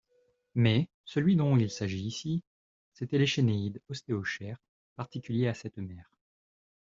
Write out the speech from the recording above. Mais, celui dont il s'agit ici, c'était l'échénéïde ostéochère, particulier à cette mer.